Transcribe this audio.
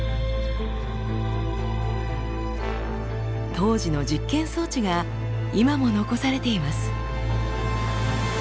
当時の実験装置が今も残されています。